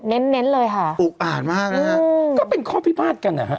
เน้นเน้นเลยค่ะอุกอ่านมากนะฮะก็เป็นข้อพิพาทกันนะฮะ